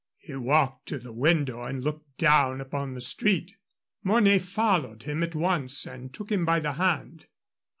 He walked to the window and looked down upon the street. Mornay followed him at once and took him by the hand.